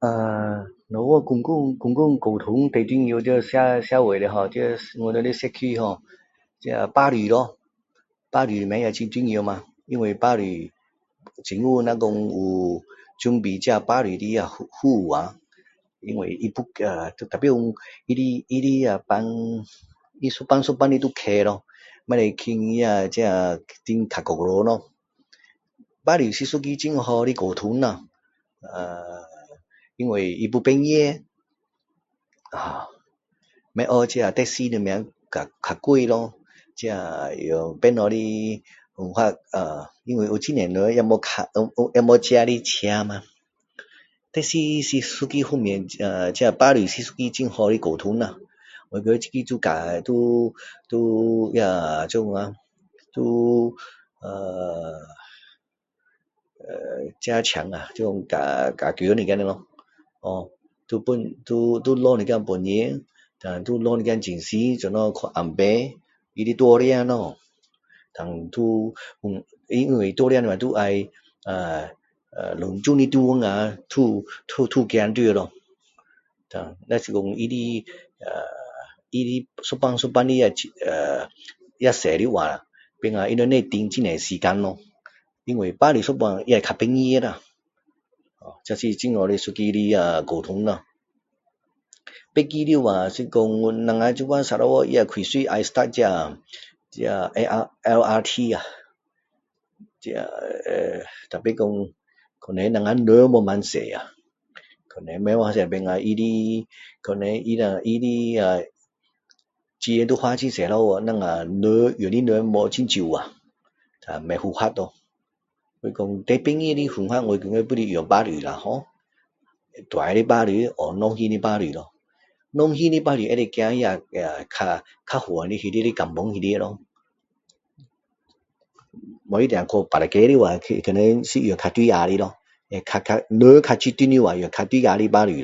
什么公共交通最重要的在社会的哦在我们的社区ho巴士咯巴士也是很重要吗巴士政府若是说有准备巴士的服务啊tapi他一班一班的要快咯不可以等呀这等较久咯巴士是很好的交通啦因为他又便宜不像这taxi什么比较贵咯这用别的方法因为有很多人也没有自己的车吗taxi是一个方面这巴士是一个很好的交通那我觉得这个就甲就就交通啦就呃加强啊就加强一点咯要下一点本钱胆要下一点精神去安排他的路线胆因为路线的话就要呃呃全部的地方啊都要都要走到咯若是说他的啊他的一班一班的也多的话变到他的他们不用等很多时间咯因为巴士一半也较便宜啦这也是一个很好的交通咯别的话是说我们沙捞越也要开始这这A R LRT啊这呃但是说可能我们人没有那么多啊没那么多变成他的可能他的钱要花很多下去等下人用的人很少啊胆不负荷咯胆最便宜的方法我觉得还是用巴士啦ho大的巴士还是用小型的巴士小型的巴士可以走那那那较远的甘榜里面咯可能是用较大的咯人较较集中的话用较大的巴士咯